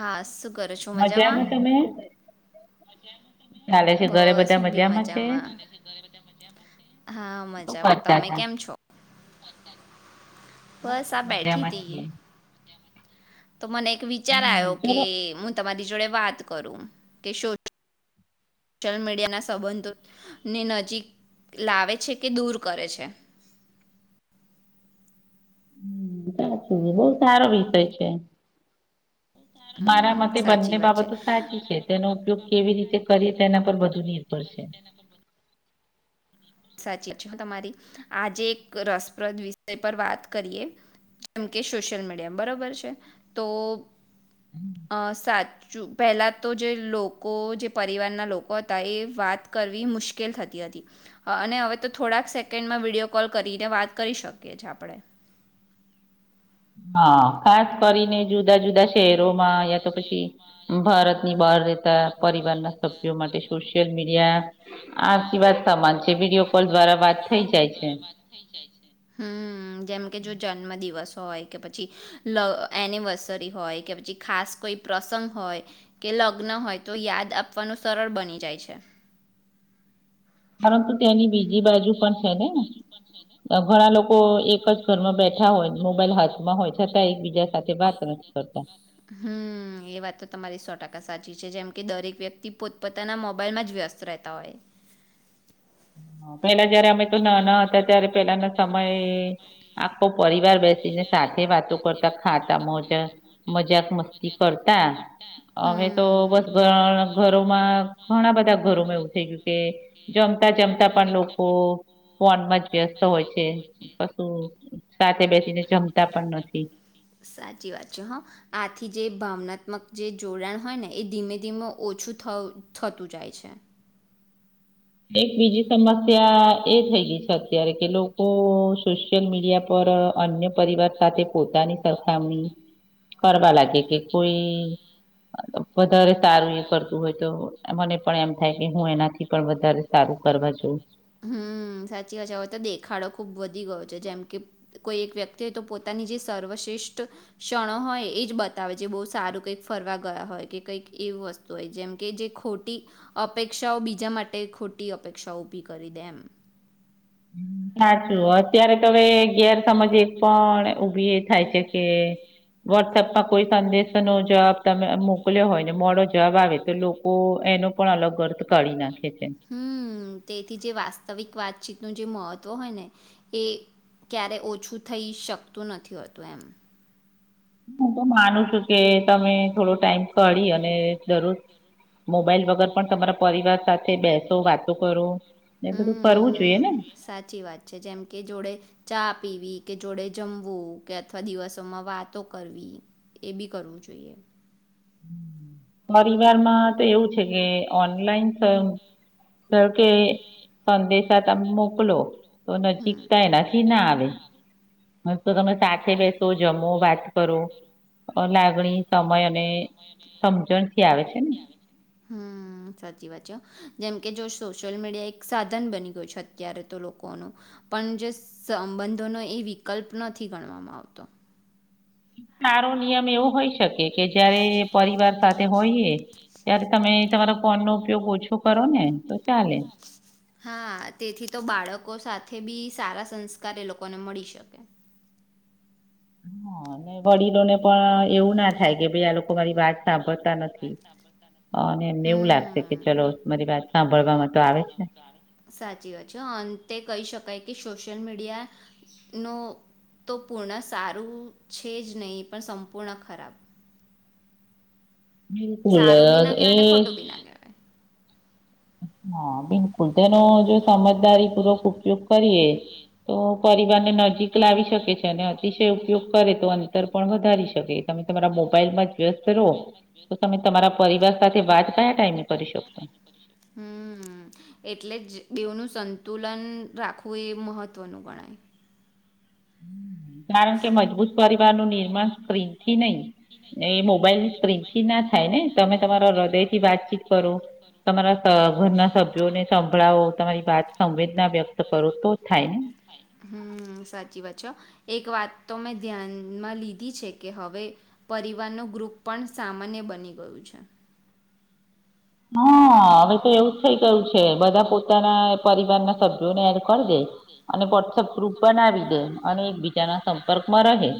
હા કરો છો મજામાં ચાલે છે ઘરે બસ બધા હું બી છે મજામાં હા શું મજામાં કરતા તમે હતા કેમ છો બ બસ સાબ બેઠી મજામાં હતીથી છીએ તો મને એક વિચાર હમ આવ્યો કે ચલો હું તમારી, જોડે વાત કરૃ સોશલ મીડિયાના સંબંધોને નજીક લાવે છે, કે દૂર કરે છે. હુમ સાચું બહુ સારો વિષય છે, મારા હમ મતે બંને સાચી વાત છે બાબતો સાચી છે તેનો ઉપયોગ કેવી રીતે કરીએ તેના પર બધુ નિર્ભર છે સાચી વાત છે, તમારી આજે એક રસપ્રદ વિષય પર વાત કરીએ જેમ કે સોશિયલ મીડિયા બરોબર છે, તો અ સાત પહેલાં તો જે લોકો જે પરિવારના લોકો હતા, એ વાત કરવી મુશ્કેલ થતી હતી. હ અને હવે તો થોડાક સેકન્ડમાં વિડીયો કોલ કરીને વાત કરી શકીએ છીએ, આપણે હા, ખાસ કરીને જુદા જુદા શહેરોમાં યા તો પછી ભારતની બહાર રહેતા પરિવારના સભ્યો માટે સોશિયલ મીડિયા આ આસીરઆવાત સમાન છે વિડીિયો કોલ દ્વારા વાત થઈ જાય છે. હમ્મ જેમકે જો જન્મદિવસ હોય કે પછી એનિવર્સરી હોય કે પછી ખાસ કોઈ પ્રસંગ હોય કે લગ્ન હોય તો યાદ આપવાનું સરળ બની જાય છે. પરંતુ તેની બીજ બીજી બાજુ પણ છે, ને ઘણા લોકો એક જ ઘરમાં બેઠા હોય મોબાઈલ હાથમાં હોય છતાં, એકબીજા સાથે વાત નથી કરતા હમ્મ, એ વાત તો તમારી સો ટકા સાચી છે જેમ કે દરેક વ્યક્તિ પોતપોતાના મોબાઈલમાં જ વ્યસ્ત રહેતા હોય. હા પેલા જયારે અમે તો ના ના હતા ત્યારે પેલાનો સમય આખો પરિવાર બેસીને સાથે વાતો કરતા ખાતા મોજા મા જાક મસ્તી કરતા હવે તો, બસ ઘ ઘ- ઘરોમાં ઘણા બધા ઘરોમાં એવું થઈ ગયું કે જેમ. જમતા પણ લોકો ફોનમાં જ વ્યસ્ત હોય છે, કશું સાથે બેસીને જમતા પણ નથી. થી જે ભાવનાત્મક જે જોડાણ હોય ને એ ધીમે ધીમે ઓછું થતું જાય છે, એક બીજી સમસ્યા એ થઇ ગઈ છે, ત્યારે કે લોકો સોશિયલ મીડિયા પર અન્ય પરિવાર સાથે પોતાની સરખામણી કરવા લાગે કે કોઈ વધારે સારું એ કરતું હોય તો મને પણ એમ થાય, કે હું એનાથી પણ વઘારે વધારે સારું કરવા જવ હુમ સાચી વાત હવે તો દેખાડો ખુબ વધી ગયો છે જેમ કે કોઈ એક વ્યક્તિ હો તો પોતાની જે સર્વશ્રેષ્ઠ ક્ષણો હોય, એ જ બતાવે છે બહુ સારું કંઈક ફરવા ગયા હોય કે કંઈક એવી વસ્તુ હોય, જેમ કે જે ખોટી અપેક્ષાઓ બીજા માટે ખોટી અપેક્ષાઓ ભી કર કરીદેમ સાચું હોત [inaudible] ઉભી એ થાય છે કે વોટ્સઅપમાં કોઈ સંદેશ નો જવાબ તમે મોકલ્યો હોય ને મોડો જવાબ આવે તો લોકો એનો પણ અલગ અર્થ કાઢી નાખે છે હુ તેથી જે વાસ્તવિક વાત છે નું જે મહત્વ હોય ને, એ ક્યારેય ઓછું થઈ શકતું નથી હોતું એમ હું તો માનું છું કે તમે થોડો ટાઈમ કઢી અને દરરોજ મોબાઈલ વગર પણ તમારા પરિવાર સાથે બેસો વાતો કરો. એ બધું કરવું જોઈએ હમ્મ ને સાચી વાત છે, જેમ કે જોડે ચાપ પી કે જોડે જમવું કે અથવા દિવસોમાં વાતો કરવી, એ બી કરવું જોઈએ. હમ્મ પરિવારમાં તો એવું છે કે ઓનલાઈન કે ઘારોકે સંદેશા તમે મોકલો તો હમ્મ. નજીકતા એનાથી ના આવે, હાતો તમે સાથે બેસો જમો વાત કરો લા લાગણી સમય અને સમજણથી આવે છે ને. જેમકે જો સોશિયલ મીડિયા એક સાધન બની ગયું છે અત્યારે તો લોકો ન પણ જે સંબંધો ન એ વિકલ્પ નથી ગણવામાં આવતો સારો નિયમ એવો હોઈ શકે કે જયારે પરિવાર સાથે હોઈએ ત્યારે તમે તમારા ફોન નો ઉપયોગ ઓછો કરો ને તો ચાલે હા તેથી તો બાળકો સાથે બી સારા સંસ્કાર એ લોકોને મળી શકે. [unintelligible] પણ એવું ના થાય હમ કે ભાઈ આ લોકો મારી વાત સાંભળતા નથી અને એમને એવું લાગશે કે ચલો મારી વાત સાંભળવામાં તો આવે છે સાચી વાત છે તે કહી શકાય કે સોશિયલ મીડિયા નો તો પૂર્ણ સારું છે જ નહીં પણ સંપૂર્ણ ખરાબ. બિલકુલ સારો બી ના એ કહેવાય ને ખોટો બી ના કહેવાય હા બિ લકુલ તેનો જો સમજદારી પૂર્વક ઉપયોગ કરીએ તો પરિવારને નજીક લાવી શકે છે અને અતિશય ઉપયોગ કરે તો અંતર પણ વધારી શકે તમે તમારા મોબાઈલમાં વ્યસ્ત રહો તો તમે તમારા પરિવાર સાથે વાત કયા ટાઈમે કરી શકશો. હમ. એટલે જ દેવનું સંતુલન રાખવું એ મહત્ત્વનું ગણાય. હમ.. કારણ કે મજબૂત પરિવાર નું નિર્માણ સ્ક્રીન થી નહી એ મોબાઈલ ની સ્ક્રીન થી ના થાય ને. તમે તમારા હૃદયથી વાત કરો તમારા ઘરના સભ્યોને સંભળાવો તમારી વાત સંવેદના વ્યક્ત કરો તો થાય ને. હમ સાચી વાત છે એક વાત તો મેં ધ્યાનમાં લીધી છે કે હવે પરિવાર ન ગ્રુપ પણ સામાન્ય બની ગયું છે. હા હવે તો એવું જ થઇ ગયું છે બધા પોતાના પરિવારના સભ્યોને એડ કરી દે અને વોટ્સઅપ ગ્રુપ બનાવી દે અને એકબીજાના સંપર્કમાં રહે.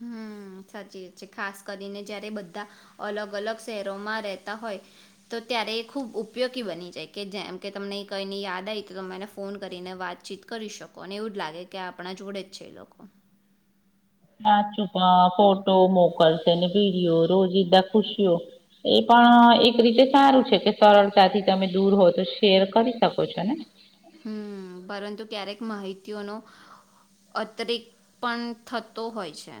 હમ સાચી વાત છે ખાસ કરીને જયારે બધા અલગ અલગ શહેરોમાં રહેતા હોય તો ત્યારે એ ખુબ ઉપયોગી બની જાય કે જેમ કે તમને કઈની યાદ આવી તો તમે એને ફોન કરીને વાતચીત કરી શકો અને એવું જ લાગે કે આપણા જોડે જ છે એ લોકો. સાચુંપા ફોટો મોકલશે ને વિડીયો રોજીદા ખુશઓ. એ પણ એક રીતે સારું છે કે સરળતાથી તમે દૂર હો તો શેર કરી શકો છો ને. હમ પરંતુ ક્યારેક માહિતીઓનો અતિરક પણ થતો હોય છે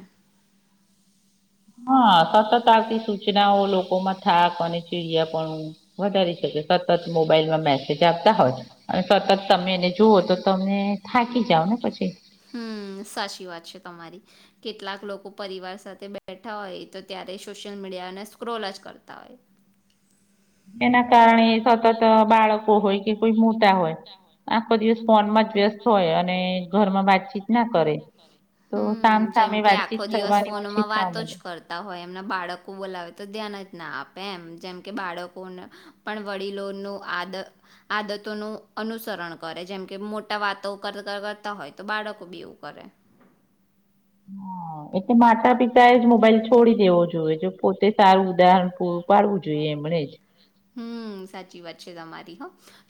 હા સતત આવતી સૂચનાઓ લોકોમાં થાક અને ચીડિયા પણુ વધારી શકે સતત મોબાઈલમાં મેસેજ આપતા હોય અને સતત તમે એને જુઓ તો તમને થાકી જાઓ ને પછી હમ સાચી વાત છે તમારી કેટલાક લોકો પરિવાર સાથે બેઠા હોય તો ત્યારે સોશિયલ મીડિયાને સ્ક્રોલ જ કરતા હોય એના. કારણે સતત બાળકો હોય કે કોઈ મોટા હોય આખો દિવસ ફોનમાં જ વ્યસ્ત હોય અને ઘરમાં વાતચીત ના કરે તો સામ હમ્મ, જેમ સામે કે વાતચીત આખો દિવસ થવાની ઓછી ફોનમાં થવા વાતો જ મળે કરતા હોય એમના બાળકો બોલાવે તો ધ્યાન ના આપે એમ જેમ કે બાળકોને પણ વડીલોનું આદ આદતોનું અનુસરણ કરે જેમકે મોટા વાતો કર કરતા હોય તો બાળકો બી એવું કરે હા એટલે માતાપિતા.. જ મોબાઈલ છોડી દેવો જોઈએ જો પોતે સારું ઉદાહરણ પૂરું પાડવું જોઈએ એમણે જ. [inaudible] હમ્મ સાચી વાત છે તમારી હ.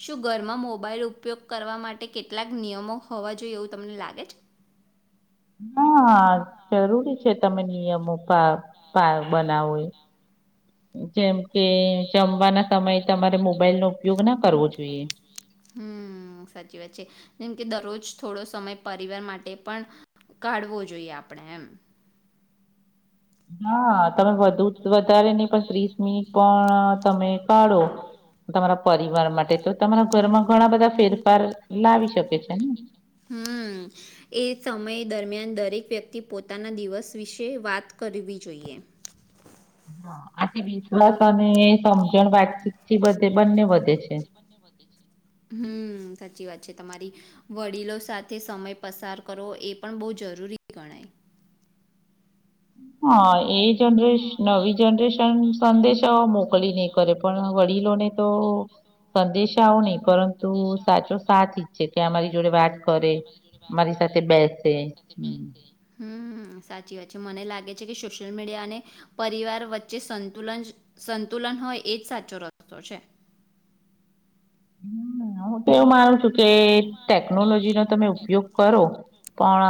શું ઘરમાં મોબાઈલ ઉપયોગ કરવા માટે કેટલાક નિયમો હોવા જોઈએ એવું તમને લાગે છે? હા, જરૂરી છે તમે નિયમો પા પા બનાવો એ જેમ કે જમવાના સમય તમારે મોબાઈલ નો ઉપયોગ ના કરવો જોઈએ. હમ્મ, સાચી વાત છે. જેમ કે દરરોજ થોડો સમય પરિવાર માટે પણ કાઢવો જોઈએ આપણેે એમ. હા, તમે બધું ત્વ ત્યારે નહી પણ ત્રીસ મિનિટ પણ તમે કાઢો તમારા પરિવાર માટે તો તમારા ઘરમાં ઘણા બધા ફેરફાર લાવી શકે છે ને. હમ રેક વ્યક્તિ પોતાના દિવસ વિશે વાત કરવી જોઈએ. હા, આથી વિશ્વાસ અને સમજણ વાતચિત થી બધે બંને વધે છે. હમ્મ, સાચી વાત છે તમારી. વડીલો સાથે સમય પસાર કરો એ પણ બહુ જરૂરી ગણાય. હા, એ જનરેશ નવી જનરેશન સંદેશા મોકલી નહી કરે પણ વડીલોને તો સંદેશ આઓ નહી પરંતુ સાચો સાથ ઇકછે કે અમારી જોડે વાત કરે મારી સાથે બેસે હમ્મ. હા, સાચી વાત છે. મને લાગે છે કે સોશિયલ મીડિયા અને પરિવાર વચ્ચે સંતુલન જ સંતુલન હોય એજ સાચો રસ્તો છે. હમ્મ, હું તો એવું માનું છું કે ટેકનોલોજી નો તમે ઉપયોગ કરો પણ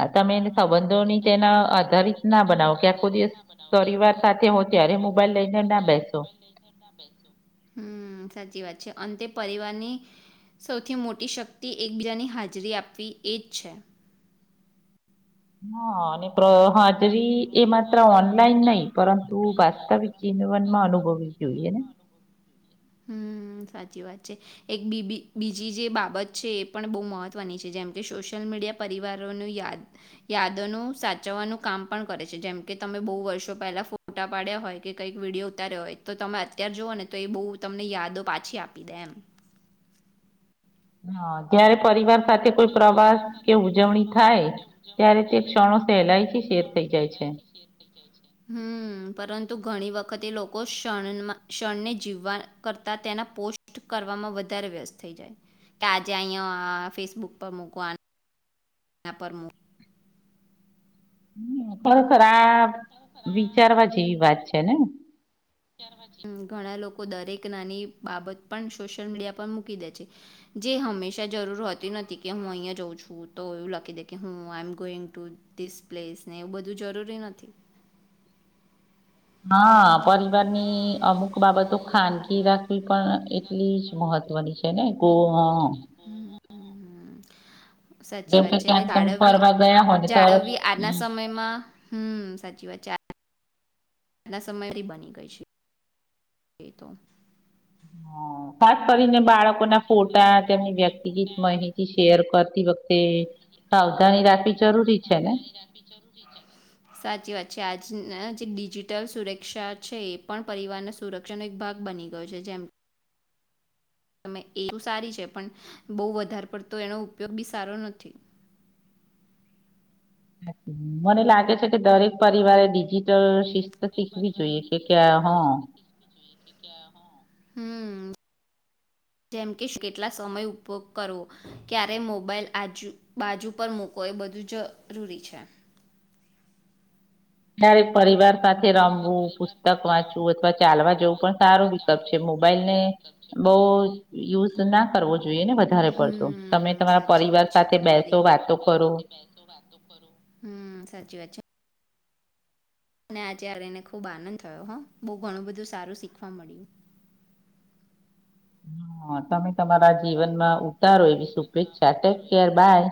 અહ તમે સંબંધોની તેના આધારિત ના બનાવો કે આખો દિવસ પરિવાર સાથે હો ત્યારે મોબાઈલ લઈને ના બેસો. હમ્મ, સાચી વાત છે. અંતે પરિવારની સૌથી મોટી શક્તિ એકબીજાની હાજરી આપવી એ જ છે. હા અને પ્ર હાજરી એ માત્ર ઓનલાઈન નહી પરંતુ વાસ્તવિક જીનવનમાં અનુભવવી જોઈએ ને. હમ્મ, સાચી વાત છે. એક બીબી બીજી જે બાબત છે એ પણ બહુ મહત્વની છે જેમ કે સોશિયલ મીડિયા પરિવારોનું યાદ યાદનો સાચવવાનું કામ પણ કરે છે જેમકે તમે બહુ વર્ષો પહેલા ફોટા પાડ્યા હોય કે કંઈક વિડીયો ઉતાર્યો હોય તો તમે અત્યાર જુઓ ને તો એ બહુ તમને યાદો પાછી આપી દે એમ. હા, ત્યારે પરિવાર સાથે કોઈ પ્રવાસ કે ઉજવણી થાય ત્યારે તે ક્ષણો સહેલાઈથી શેર થઈ જાય છે. હમ્મ, પરંતુ ઘણી વ ખતે લોકો ક્ષણમાં ક્ષણને જીવવા કરતા તેના પોસ્ટ કરવામાં વધારે વ્યસ્ત થઈ જાય કે આજે અહીંયા ફેસબુક પર મકવાન ના પરમુ હમ્મ, પર ખરા આ વિચારવા જેવી વાત છે ને? હમ્મ, ઘણા લોકો દરેક નાની બાબત પણ સોશિયલ મીડિયા પર મૂકી દે છે, જે હંમેશા જરૂર હોતી નથી કે હું અહીંયા જાઉં છું તો એવું લખી દે કે હું I am going to this place ને એવું બધું જરૂરી નથી. હા પરિવારની અમુક બાબતો ખાનગી રાખવી પણ એટલી જ મહત્વની છે ને ગો હા. હમ્મ, હમ્મ. સાચી જેમ વાત કે છે અને ક્યાંક તમે દળાવવી ફરવા ગયા હોય ને તરત જાળવવી આના સમયમાં હમ્મ સાચી વાત છે [inaudible] સમયધથી બની ગઈ છે એ તો. હા ખાસ કરી ને બાળકો ના ફોટા તેમની વ્યક્તિગીત માહિતી શેર કરતી વખતે સાવધાની રાખવી જરૂરી છે ને? જ અહ જે ડિજિટલ સુરક્ષા છે એ પણ પરિવારના સુરક્ષાનો એક ભાગ બની ગયો છે જેમ તમે એ તો સારી છે, પણ બહુ વધારે પડતો એનો ઉપયોગ બી સારો નથી. મને લાગે છે કે, દરેક પરિવારે ડિજિટલ શીખવી જોઈએ કે ક્યાં હો? હમ જેમ કે કેટલા સમય ઉપયોગ કરવો, ક્યારે મોબાઈલ આજ બાજુ પર મુૂકો? એ બધું જરૂરી છે. દરેક પરિવાર સાથે રમવું, પુસ્તક વાંચવું અથવા ચાલવા જેવું, પણ સારો વિકલ્પ છે. મોબાઈલ ને બહુ યુઝ ના કરવો જોઈએ. ને વધારે પડતો તમે હમ્મ, તમારા સાચી વાત પરિવાર છે સાથે બેસો તમારી. વાતો કરો. હમ્મ, સાચી વાત છે અને આ જ્યારે એને ખૂબ આનંદ થયો હં. બહુ ઘણું બધું સારું શીખવા મળ્યું. હ તમે તમારા જીવનમાં ઉતારો એવી શુભેચ્છા ટેક કેર બાય.